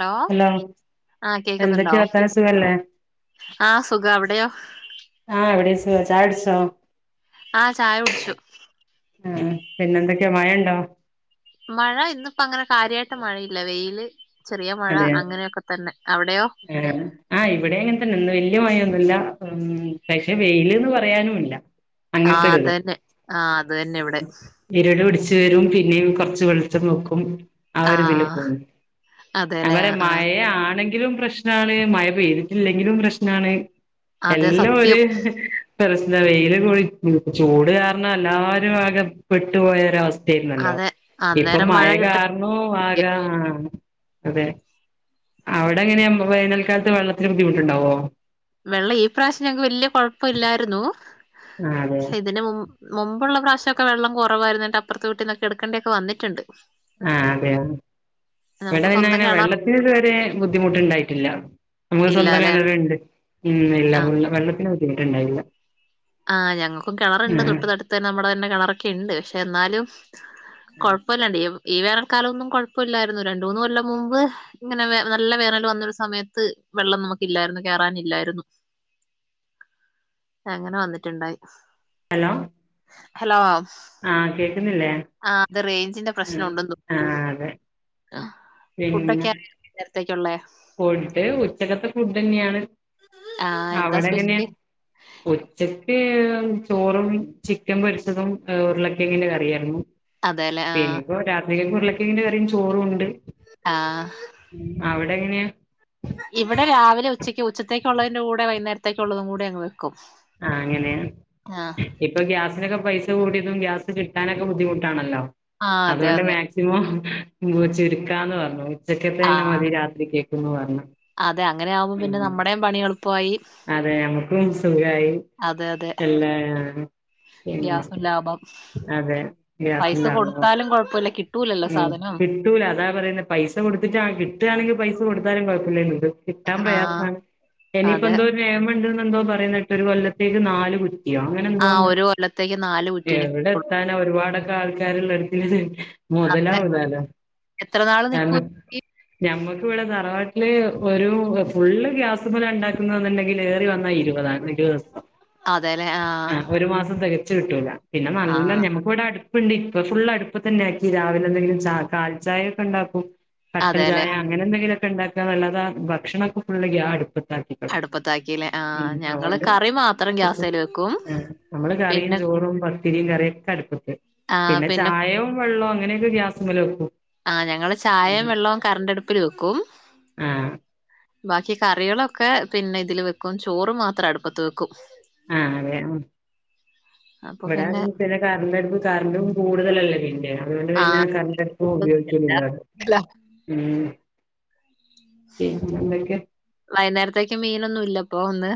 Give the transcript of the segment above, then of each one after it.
Law hello ആഹ് കേക്ക്ന്ന്ണ്ടോ എന്തൊക്കെയ വർത്താനം സുഖല്ലേ ആ സുഖ അവിടെയോ ആ ഇവിടം സുഖ ചായെട്സോ ആ ചായ കുട്ച്ചു ആഹ് പിന്നെന്തൊക്കെയാ മഴണ്ടോ? മഴ ഇന്നിപ്പങ്ങനെ കാര്യായിട്ട് മഴയില്ല വെയില് ചെറിയ മഴ അതെ അങ്ങനെയൊക്കെ തന്നെ അവിടെയോ എ ആ ഇവിടെങ്ങനെതന്നെ ഇന്ന് വെയ് ല്യമായൊന്നുല്ല ഉ പക്ഷെ വൈല്ന്ന് പറയാനുല്ല ആഹ് അത് അങ്ങൻത്തൊരുത് തന്നെ ആഹ് അത് തന്നെ ഇവിടെ ഇര്ട്പിട്ച്ച് രും പിന്നെയു കൊർച്ച് വെളിച്ചം വെക്കും ആരുതില് ആഹ് പോന്ന് അതെല്ലേ അവരെ ആഹ് മഴ ആണെങ്കിലും പ്രശ്നാണ് മഴ പെയ്തിട്ടില്ലെങ്കിലും പ്രശ്നാണ് അതെ എല്ലൊഒര് സത്യം പ്രശ്ന വെയില് കൂടിചൂട് കാരണം എല്ലാരും ആകെ പെട്ട്പോയൊരവസ്ഥ രുന്നല്ലോ അതെ ഇപ്പൊ അന്നേരം മഴ മയ കിട്ട കാർണോ ആകാം അതെ അവ്ടെങ്ങനെയ വേനാൽക്കാലത്ത് വെള്ളത്തിന് ബുദ്ധിമുട്ട്ണ്ടാവോ വെള്ളഈ പ്രാശ്യം ഞങ്ങക്ക് വല്യ കൊഴ്പല്ല്യായിരുന്നു ആ അതെ മുമ്പുള്ള പ്രാശ്യക്കെ വെള്ളം കുറവായിര്ന്നിട്ടപ്പൊർത്തെ വീട്ടീന്നൊക്കെ എട്ക്കണ്ടക്കെ വന്നിട്ട്ണ്ട് ആ അതെയൊ നമുക്ക് സ്വന്തം ഇവിടപിന്നങ്ങനെ കിണർ വെള്ളത്തിന് ഇത്‌വരെ ബുദ്ധിമുട്ട്ണ്ടായിട്ടില്ല മ്മക്ക് സ്വന്തം ഇല്ലാല്ലെ കെണറ്ണ്ട് ഉ ഇല്ല വെള്ളത്തിന് ബുദ്ധിമുട്ട്ണ്ടായില്ല ആ ഞങ്ങക്കും കിണറ്ണ്ട് തൊട്ട്തട്ത്തന്നെ നമ്മുടെ തന്നെ കെണറൊക്കെണ്ട് ക്ഷെ ന്നാലും [inaudible] കൊഴപ്പല്ലണ്ട് ഈ വേനൽക്കാലംന്നും കുഴപ്പല്ലായിരുന്നു രണ്ടൂന്ന് കൊല്ലം മുമ്പ് ങ്ങനെ നല്ല വേനല് ന്നൊരു സമയത്ത് വെള്ളം നമുക്കില്ലായിരുന്നു കേറാനില്ലായിരുന്നു അങ്ങനെ വന്നിട്ടുണ്ടായി ഹലോ ആ കേ ആ അത് റേഞ്ചിന്റെ പ്രശ്നം ഉണ്ടെന്തോ ആഹ് അതെ ആ ഫുഡൊക്കെ നേരത്തേക്കുള്ളേ പോയിട്ട് ഉച്ചകത്തെ ഫുഡ് ന്നെയാണ് ആഹ് എന്താ അവിടെങ്ങനെ സ്പെഷ്യല് ഉച്ച ത് ചോറും ചിക്കൻ പൊരിച്ചതും ഉരുളക്കിങ്ങന്റെ കറിയായിരുന്നു അതെല്ലേ ആഹ് എനിപ്പോ രാത്രിയെക്കു ഉരുളക്കിഴന്റെ കറിയുംചോറുണ്ട് ആ അവിടെങ്ങനെയാ ഇവിടെ രാവിലെ ഉച്ചയ്ക്ക് ഉച്ചത്തേക്കുള്ളതിന്റെ കൂടെ വൈകുന്നേരത്തേക്കുള്ളള്ളതും കൂടെ ങ്ങ്വെക്കു ആ അങ്ങനെയ ഇപ്പൊ ഗ്യാസിനൊക്കെ പൈസ കൂടിയതും ഗ്യാസ് കിട്ടാനൊക്കെ ബുദ്ധിമുട്ടാണല്ലോ ആഹ് അതെ അതുകൊണ്ട് അതെ മാക്സിമം ന്ന് ച്ചുരുക്കാന്ന് പർഞ്ഞു ഉച്ചക്കത്തെന്നെ ആഹ് മതി രാത്രി കേക്കന്ന് പറഞ്ഞു അതെ അങ്ങനെ ആവുമ്പോ പിന്നെ ഉം നമ്മുടെയും പണിം എളുപ്പായി യി എല്ലാ ആ പിന്നെ ഗ്യാസും ലാഭം അതെ പൈസ ഗ്യാസ്ണ്ടാനോ കൊടുത്താലും കൊഴപ്പല്ല കിട്ടൂലല്ലോ എം സാധനം കിട്ടൂല അതാ പറയുന്നെ പൈസ കൊടുത്തിട്ട് കിട്ടാണെങ്കി പൈസ കൊടുത്താലും കുഴപ്പല്ലയ്നുത് കിട്ടാൻ ആഹ് പ്രയാസാണ് ഇനിപ്പോ അതെ എന്തോ ഒരു നിയമുണ്ട്ന്ന് എന്തോ പറയുന്നിട്ട് ഒരു കൊല്ലത്തേക്ക് നാല് കു യ്യോ ആഹ് ഒരു കൊല്ലത്തേക്ക് നാല് കുറ്റിന് അങ്ങനെന്തോന്നുഎവിടെ കിട്ടുള്ളൂ. എത്താനാ ഒരുപാടൊക്കെ ആൾക്കാരുള്ളടത്തി അതെ മുതലാവുന്നല്ലേ എത്ര നാള് ഞമ്മ നിക്കൂലി ഞമ്മക്ക് വിടെ തറവാ ത് ഒരു ഫുള്ള് ഗ്യാസ്മ്മല ണ്ടാക്കുന്നന്നുണ്ടെങ്കിൽ ഏറി വന്നാൽ ഇരുപതാണ് ദിവസം അതെല്ലേ ആ ആഹ് ഒരു മാസം തെക കിട്ടെല പിന്നെ നല്ല ആഹ് നമുക്ക്വിടെ അടുപ്പുണ്ട് ഇപ്പൊ ഫുള്ളടുപ്പ് തന്നെ ആ രാവിലെ എന്തെങ്കിലും ച കാൽ ചായൊക്കെണ്ടാക്കും കട്ടൻ അതെല്ലെ ചായ അങ്ങനെന്തെങ്കിലു ഉണ്ടാക്കാന്നല്ലാതാ ഭക്ഷണൊക്കെ ഫുള്ള് ഗ്യ അടുപ്പ് അടുപ്പത്താക്കില്ലേ ആ ഞങ്ങള് അതുകൊണ്ട് കറി മാത്രം ഗ്യാ സേൽ വെക്കും ആഹ് നമ്മള് കറിയും പിന്നെ ചോറും ത്തിരിയും കറിയൊക്കെ അടുപ്പിട്ട് പിന്നെ ചായോ വെള്ളോ അങ്ങനെയൊക്കെ ഗ്യാസ് മേൽ വെക്കും ആ ഞങ്ങള് ചായയും വെള്ളവും കറണ്ട് അടുപ്പിൽ വെക്കും ആഹ് ബാക്കി കറികളൊക്കെ പിന്നെ ഇതില് വെക്കും ചോറ് മാത്രം അടുപ്പത്ത് വെക്കും ആ അതെ ഇവിടെ പിന്നെ കറണ്ടടുപ്പ് കറണ്ടും കൂടുതലല്ലേ പിന്നെ അതുകൊണ്ട് പിന്നെ ആ ആഹ് കറണ്ടടുപ്പും ഉപയോഗിക്കുന്നില്ല ഉം പിന്നെ എന്തൊക്കെ വൈന്നേരത്തേക്ക് മീനൊന്നും ഇല്ലപ്പം ഇന്ന്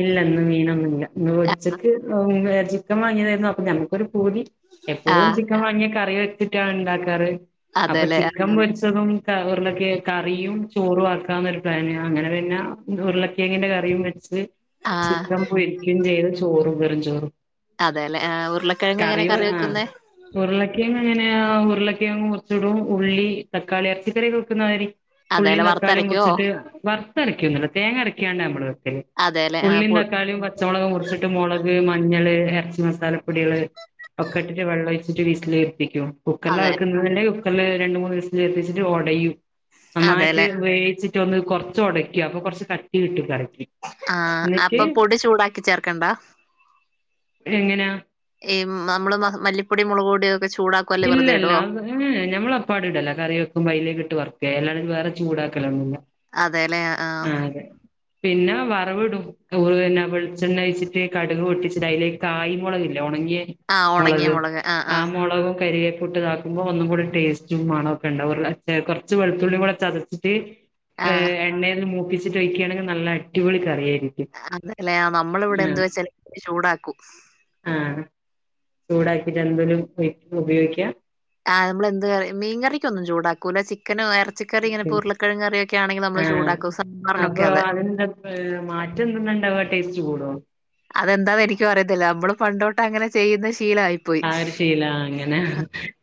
ഇല്ല ഇന്ന് മീനൊന്നും ഇല്ല ഉച്ചയ്ക്ക് ചിക്കൻ വാങ്ങിയതായിരുന്നു അപ്പ ഞമ്മുക്കൊരു പൂതി എപ്പോഴും ആഹ് ചിക്കൻ വാങ്ങിയ കറി വെച്ചിട്ടാണ് ഉണ്ടാക്കാറ് അപ്പൊ അതെല്ലേ ചിക്കൻ പൊരിച്ചതും ഉരുളക്കിയ കറിയും ചോറും ആക്കാന്നൊരു പ്ലാന് അങ്ങനെ പിന്നെ ഉരുളക്കിഴങ്ങിന്റെ കറിയും വെച്ച് ആഹ് ചിക്കൻ പൊരിക്കയും ചെയ്ത് ചോറും വെറും ചോറും അതെല്ലെ ആഹ് ഉരുളക്കിഴങ്ങ് എങ്ങനെ കറിയോ കറി ആ വെക്കുന്നെ ഉരുളക്ക എങ്ങനെയ ആ ഉരുളൊക്കെ മുറിച്ചിടും ഉള്ളി തക്കാളി ഇറച്ചിക്കറി വെക്കുന്ന മാതിരി അതേലെ ഉള്ളിയും തക്കാളിയും വറുത്തരയ്ക്കോ മുറിച്ചിട്ട് വറുത്തരക്കുന്നില്ല തേങ്ങ അരക്കാണ്ട നമ്മള് വെക്കല് അതെല്ലേ ഉള്ളിയും തക്കാളിയും പച്ചമുളകും മുറിച്ചിട്ട് മുളക് മഞ്ഞൾ എ മസാലപ്പൊടികൾ ഒക്കെ ഇട്ടിട്ട് വെള്ളം ഒഴിച്ചിട്ട് വിസിലടിപ്പിക്കും കുക്കറിലാ അതെ വെക്കുന്നതി ല് രണ്ട് മൂന്ന് ദിവസം ചേർത്തിച്ചിട്ട് ഒടയും നന്നായിട്ട് അതേല്ലെ വേവിച്ചി ഒന്ന് കുറച്ച് ഉടക്ക അപ്പൊ കുറച്ച് കട്ടി കിട്ടും കറിയ്ക്ക് ആഹ് അപ്പൊ പൊടി ചൂടാക്കി ചേർക്കണ്ടാ എങ്ങനാ നമ്മള് മല്ലിപ്പൊടി മുളക് പൊടിയെ ഇല്ല ഇല്ല അ ഞമ്മൾ അപ്പാട് ഇടല കറി വെക്കും പോലേക്ക് അതിലിട്ട് വറക്കും [unintelligible] വേറെ ചൂടാക്കലൊന്നുമില്ല അതേല്ലെ ആഹ് ആ അതെ പിന്നെ ഇടും അതുപോലെ തന്നെ വെളിച്ചെണ്ണ ഒഴിച്ചിട്ട് കടുക് പൊട്ടിച്ചിട്ട് അതിലേക്ക് കായ് മുളക് ഇല്ലേ ഉണങ്ങിയ ആഹ് ഉണങ്ങിയ മുളക് ആഹ് ആ ആഹ് മുളകും കരിയെപ്പൊട്ട് ഇതാക്കുമ്പോ ഒന്നും കൂടി ടേസ്റ്റും മണോ ഒക്കെ ഉണ്ടാവ കുറച്ച് വെളുത്തുള്ളിയും കൂടെ ചതച്ചിട്ട് ആഹ് ഏയ് എണ്ണയിൽ മൂപ്പിച്ചിട്ട് ഒഴിക്കുകയാണെങ്കിൽ നല്ല അടിപൊളി കറിയായിരിക്കും അല്ലേ നമ്മളിവിടെ ആ എന്ത് വെച്ചാലും ചൂടാക്കും ആ ചൂടാക്കിട്ട് എന്തലും ഉപയോഗിക്കാം ആഹ് നമ്മൾ എന്ത് മീകറിക്കൊന്നും ചൂടാക്കൂല ചിക്കനും ഇറച്ചിക്കറി ഇങ്ങനെ ഉരുളക്കറിയെ കറിയൊക്കെ ആണെങ്കിൽ നമ്മള് ആഹ് ചൂടാക്കും സാമ്പാറിനൊക്കെ അപ്പൊ അതെ അതിന്താ മാറ്റ എന്തണ്ടാവ ടേസ്റ്റ് കൂടോ അതെന്താന്ന് എനിക്കും അറിയത്തില്ല നമ്മള് പണ്ടുതൊട്ട് അങ്ങനെ ചെയ്യുന്ന ശീ ആഹ് ഒരു ശീല അങ്ങനെ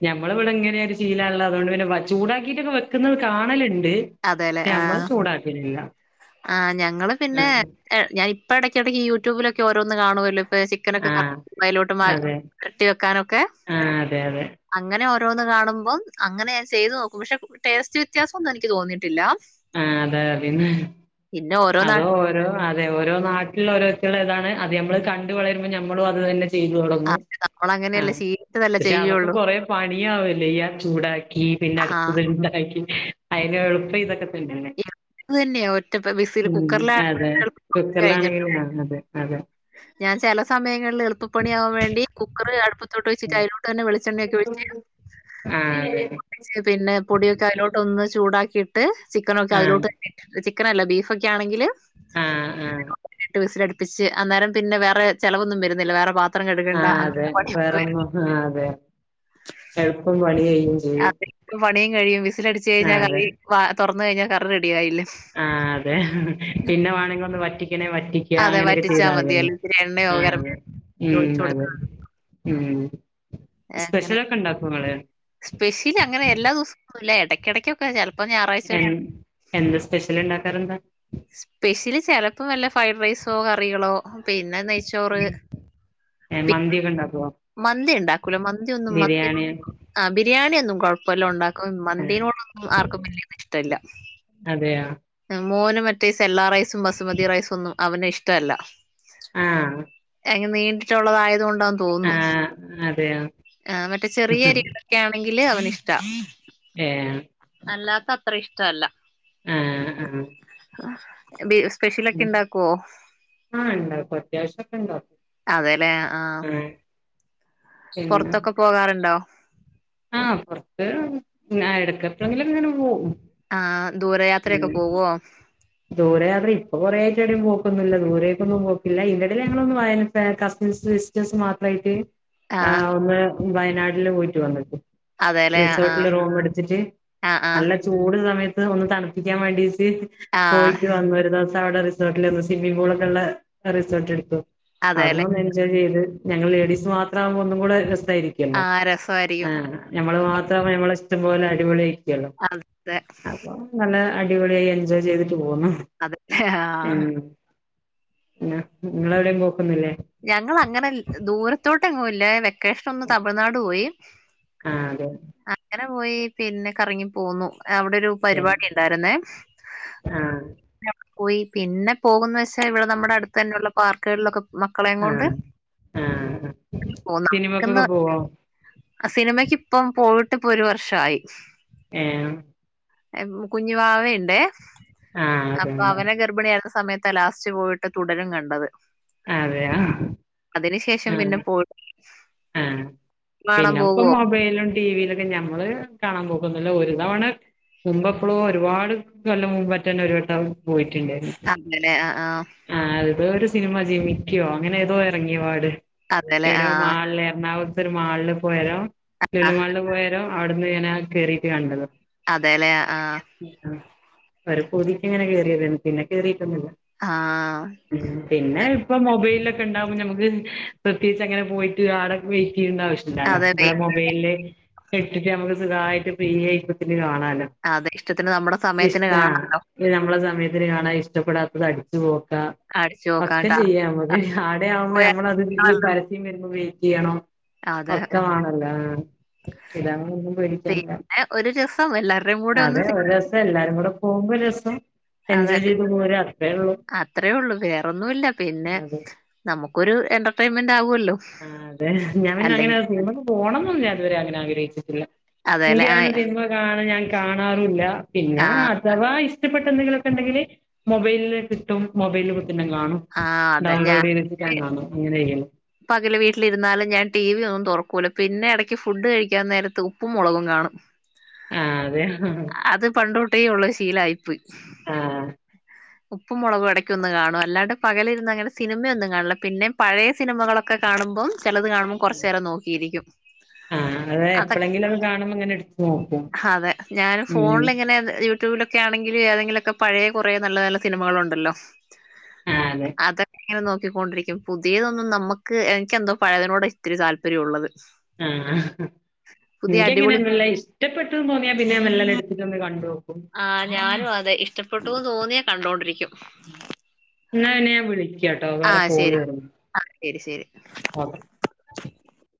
ഞാ നമ്മള ഇവിടെ എങ്ങനെയ ചെയ്യീലാണല്ലോ അതുകൊണ്ട് പിന്നെ ചൂടാക്കിട്ടൊക്കെ വെക്കുന്നത് കാണലുണ്ട് അതേല്ലെ ആഹ് നമ്മള് ചൂടാക്കിനില്ല ആ ഞങ്ങൾ പിന്നെ ഞാനിപ്പം ഇടയ്ക്കിടക്ക് യൂട്യൂബിലൊക്കെ ഓരോന്ന് കാണുമല്ലോ ചിക്കനൊക്കെ ആഹ് അതെ അലോട്ട്രട്ടി [unintelligible] വെക്കാനൊക്കെ ആഹ് അതെ അതെ അങ്ങനെ ഓരോന്ന് കാണുമ്പോം അങ്ങനെ ചെയ്തു നോക്കും പക്ഷെ ടേസ്റ്റ് വ്യത്യാസം ഒന്നും എനിക്ക് തോന്നിയിട്ടില്ല ആഹ് അതെ പിന്നെ പിന്നെ ഓരോ നാ അതോ ഓരോ അതെ ഓരോ നാട്ടിലും ഓരോ ഇതാണ് അത് നമ്മള് കണ്ടണ്ട് വളരുമ്പോൾ നമ്മളും അത് തന്നെ ചെയ്തു തുടങ്ങും. നമ്മള അങ്ങനെയല്ല ശീ പക്ഷെ അതൊക്കെ കൊറെ പണിയാവല്ലേ ഈ ആ ചൂടാക്കി പിന്നെ ആ അടുത്തത് ഉണ്ടാക്കി അതിന് എളുപ്പം ഇതൊക്കെ തന്നെയല്ലേ ഇത് തന്നെയാ ഒറ്റ വിസിൽ ഉം അതെ കുക്കറിലാണെങ്കിൽ കുക്കറിലാണെങ്കിൽ കഴിഞ്ഞല്ലോ. അതെ അതെ ഞാൻ ചില സമയങ്ങളിൽ എളുപ്പപ്പണിയാവാൻ വേണ്ടി കുക്കറ് അടു അടുപ്പത്ത് വച്ചിട്ട് അതിലോട്ട് തന്നെ വെളിച്ചെണ്ണയൊക്കെ ഒഴിച്ച് ആഹ് അതെ പിന്നെ പൊടിയൊക്കെ അതിലോട്ട് ഒന്ന് ചൂടാക്കിയിട്ട് ചിക്കനൊക്കെ ആഹ് അതിലോട്ട് ചിക്കനല്ല ബീഫൊക്കെ ആണെങ്കിൽ ആഹ് ആഹ് സിലടുപ്പിച്ച് അന്നേരം പിന്നെ വേ ചിലവൊന്നും വരുന്നില്ല വേറെ പാത്രം കഴുകണ്ട. ആഹ് ഹ അതെ അങ്ങനത്തെ പണിയൊന്നും വര വേറെൊന്നും ആ അതെ എളുപ്പം പണികഴിയും ശ ക കഴിയും വിസിൽ അടച്ച് കഴിഞ്ഞാൽ കറി തുറന്ന കഴഞ്ഞാൽ കറി റെഡിയ ആയില്ലെ ആഹ് അതെ പിന്നെ വേണെങ്കിൽ ഒന്ന് ഇങ്ങനെ വറ്റിക്ക അതെ അങ്ങനെയൊക്കെ വറ്റിച്ചാ മതി. ചെയ്താതന്നെ അല്ലെ ഇത്തിരി എണ്ണയോ ആ ഗരം ഉ മസാലയോ ഒഴിച്ച് കൊടുത്താ അതെെ ഉം അങ്ങനെ സ്പെഷ്യലൊക്കെ ഇണ്ടാക്കോ ഇങ്ങള് സ്പെഷ്യൽ അങ്ങനെ എല്ലാ ദിവസുംല്ല ഇടക്കിടക്കൊക്കെ ചപ്പോ ഇപ്പ ഞായറാഴ്ച എൻ എന്ത് സ്പെഷ്യൽ ഇണ്ടാക്കാറ്ണ്ട് സ്പെഷ്യലി ചില ഇപ്പം വല്ല ഫ്രൈഡ് റൈസോ കറികളോ പിന്നെ നെയ്ച്ചോറ് ഏഹ് മന്തിയൊക്കെ ഇണ്ടാക്കോ മന്തി ഉണ്ടാക്കൂലോ മന്തി ഒന്നും മ ബിരിയാണി ആ ബിരിയാണിയ ഒന്നും കുഴപ്പമല്ല ഉണ്ടാക്ക ഏഹ് മന്തിനോടൊന്നും ആർക്കും വലിയ ഇഷ്ടല്ല അതെയോ മോന് മറ്റേ സെല്ലാ റൈസും ബസുമതി റൈസും ഒന്നും അവന് ഇഷ്ടമല്ല ആഹ് അങ്ങനെ നീണ്ടിട്ടുള്ളതായത്ുക കൊണ്ടെന്ന് തോന്ന ആഹ് അതെയോ ആ മറ്റേ ചെറിയ അരികളൊക്കെ ആണെങ്കില് അവന് ഇഷ്ടാ ഏഹ് അല്ലാത്ത അത്ര ഇഷ്ടല്ല ആഹ് ആഹ് [unintelligible] ഉണ്ടാക്കുവോ ആ് ഉണ്ടപ്പ അത്യാവശ്യം ഒക്കെ ഉണ്ട അതെല്ലേ ആഹ പുറത്തൊക്കെ പോകാറുണ്ടോ ആഹ പുറത്ത്ടക്ക എപ്പഴെങ്കിലും ഇങ്ങനെ പോും ആഹ ദൂരെ യാത്രയൊക്കെ പോവോ ദൂരയാത്ര ഇപ്പൊ കൊറേ ആ്ട പോക്കുന്നില്ല ദൂരേക്കൊന്നും പോക്കില്ല ഇതിന്റെ ഇടയിൽ ഞങ്ങളൊന്നും വന കസിൻസ് സിസ്റ്റേഴസ് മാത്രമായിട്ട് ആ ഒന്ന് വയനാട്ടില് പോയിട്ട് വന്നിട്ട് അതെല്ലേ ആ റിസോർട്ടില് റൂം എടുത്തിട്ട് ആ ആ നല്ല ചൂട് സമയത്ത് ഒന്ന് തണുപ്പിക്കാൻ വേണ്ടീട്ട് ആ പോയിട്ട് വന്നു ഒരു ദിവസം അവിടെ റിസോർട്ടിൽ ഒന്ന് സ്വിമ്മിംഗ് പൂളൊക്കെ ഉള്ള റിസോർട്ട് എടുക്കു അവിടുന്ന് അതെല്ലേ ഒന്ന് എൻജോയ് ചെയ്ത് ഞങ്ങൾ ലേഡീസ് മാത്രം ആവുമ്പോ ഒന്നും കൂടെ ല്ലോ ആ ആ രസമായിരിക്കും നമ്മള് മാത്ര നമ്മള ഇഷ്ടംപലെ അടിപൊളി അതെ അപ്പ നല്ല അടിപൊളിയായി എൻജോയ് ചെയ്തി പോന്നോ അതെ ആ നിങ്ങള എവിടെയും പോക്കുന്നില്ലേ ഞങ്ങൾ അങ്ങനെ ദൂരത്തോട്ട എങ്ങുംല്ല േഷ ഒന്ന് തമിഴ്നാട് പോയി ആഹ് അതെ പോയി പിന്നെ കറങ്ങി പോന്നു അവിടെ ഒരു ഏഹ് പരിപാടി ഉണ്ടായിരുന്നേ ആഹ് പോയി പിന്നെ പോകന്ന് വെച്ചാ ഇവിടെ നമ്മുടെ അടുത്ത് തന്നെയുള്ള പാർക്കുകളിലൊക്കെ മക്കളെയ ആഹ് കൊണ്ട്ന്നുന്ന ആഹ് സിനിമക്കൊക്കെ പോവോ ആ സിനിമക്ക് ഇപ്പം പോയിട്ട് ഇപ്പൊ ഒരു വർഷമായി ആഹ കുഞ്ഞുവാവയുണ്ട്േ ആഹ് അപ്പൊ അതുകൊണ്ടാ അവന ഗർഭിണിയ സമയത്ത് ലാസ്റ്റ് പോയിട്ട് തുടരും കണ്ടത് അതെയോ അതിനന് ശേഷം പിന്നെ ആഹ് പോയി പിന്നെ മൊബൈ ടി വിയിലൊക്കെ ഞമ്മള് കാണാൻ പോക്കുന്നല്ല ഒരു തവണ മുമ്പ എപ്പോളും ഒരുപാട് കൊല്ലം പറ്റന്ന ഒരുരു കേട്ട പോയിട്ടുണ്ടായി അതേലെ ആ ആ ആ ത ഒരു സിനിമ ജീമിക്കുവോ അങ്ങനെ ഏതോ ഇറങ്ങിയ പാട് അതല്ലേ ആഹ എറണാകുളത്ത ഒരു മാളില് പോയാലോ ആ ചുലിമാളില് പോയരോ അവിടുന്ന് ഞനാ കയറിട്ട് കണ്ടത് അതെല്ലേ ആഹ ഒരു പതിക്ക ഇങ്ങനെ കേറിരുന്നു പിന്നെ കേറിട്ടൊന്നില്ല ആ പിന്നെ ഇപ്പൊ മൊബൈലിലൊക്കെ ഉണ്ടാവുമ്പോൾ നമുക്ക് പ്രത്യേകിച്ച് അങ്ങനെ പോയിട്ട് ആടൊക്കെയി ആവശ്യല്ലോ അതെ ഇവിടെ മൊബൈലില് ഇട്ടിട്ട് നമുക്ക് സുഖമായിട്ട് കാ അതെ ഇഷ്ടത്തിന് നമ്മുടെ സമയത്തിന് കാണാം ഇ നമ്മള സമയത്ത് എ കാണാൻ ഇഷ്ടപ്പെടാത്തത് അടിച്ചു പോകും അടിച്ചു പോക്കാൻ ഒക്കെ ചെയ്യാം മതി ആടെയാവുമ്പോ നമ്മളത് വല പരസ്യം വരുന്നുയി ചെയ്യണോ അതെ ഒക്കമാണല്ലോ ഇതാണ് ഒന്നും പേടിക്കൻല്ല പിന്നെ ഒരു രസം എല്ലാവരുടെയും കൂടെ ഒന്ന് അതെ സെ- ഒരു രസം എല്ലാരും കൂടെ പോകുമ്പോ ഒരു രസം അതെ എൻജോയ് പി- ചെയ്ത് പോര അത്രേ ഉള്ളു വേറൊന്നുമല്ല പിന്നെ അതെ നമുക്കൊരു എന്റർടൈൻമെന്റ് ആകുമല്ലോ ആ അതെ ഞാൻന്നെ അങ്ങനെ സിനിമക്ക് പോകണം എന്നന്ന അതുവരെ അങ്ങനെ ആഗ്രഹിച്ചിട്ടില്ല അതെല്ലേ ആ എങ്കും സിനിമ കാണാ ഞാൻ കാണാറില്ല പിന്നെ ആ അഥവാ മപ്പെട്ടൊക്കെ ഉണ്ടെങ്കിൽ മൊബൈലിൽ കിട്ടും മൊബൈല െ കാണും ആ അതെ ഡൗൺലോഡ് ചെയ്ത്ൻ കാണും അങ്ങനെ ചെയ്യണം അകെ വീട്ടിലിരുന്നാലും ഞാൻ ടി വി ഒന്നും തുറക്കൂല പിന്നെ ഇടയ്ക്ക് ഫുഡ് കഴിക്കാൻ നേരത്ത് ഉപ്പും മുളകും കാണും ആ അതെ അത് പണ്ടൊട്ടേ ഉള്ള ശീലായ്പ് ആ ഉപ്പ് മുളക് ഇടക്കൊന്ന് കാണും അല്ലാണ്ട് പകലിരുന്ന് അങ്ങനെ സിനിമയൊന്നും കാണില്ല പിന്നെ പഴയ സിനിമകളൊക്കെ കാണുമ്പോം ചിലത് കാണുമ്പോൾ കുറച്ച നേരം നോക്കിയിരിക്കും ആഹ് അത് അതൊ എപ്പളെങ്കിലൊക്കെ കാണുമ്പോ ഇങ്ങനെ എടുത്ത് നോക്കും. അതെ ഞാൻ ഉം ഫോണിൽ ഇങ്ങനെ യു റ്റുബിലൊക്കെ ആണെങ്കിൽ ഏതെങ്കിലൊക്കെ പഴ കുറേ നല്ല നല്ല സിനമകള ഉണ്ടല്ലോ അതെ അങ്ങനെ നോക്കിക്കൊണ്ടിരിക്കും പുതിയതൊന്നും നമുക്ക് എനിക്ക് എന്തോ പഴയതിനോട് ഇത്തിരി താല്പര്യംള്ളത് ആ പുതിയ എനക്ക് അടിപൊളി അങ്ങനെയന്നല്ല ഇഷ്ടപ്പെട്ടന്ന് തോന്നിയാ പിന്നെ മല്ലല്ലാം എടുത്തിട്ട്ന്ന ആ ഞാനും അതെ ഇഷ്ടപ്പെട്ടുന്ന് തോന്നിയാ കണ്ടോണ്ടിരിക്കും ന ന വിളി കേട്ടോ ആ വേറെ ഫൊണ് ശരി ശരി ശരി വ